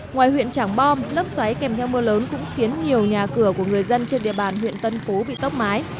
ngoài huyện trảng bom lốc xoáy kèm theo mưa lớn cũng khiến nhiều nhà cửa của người dân trên địa bàn huyện tân phú bị tốc mái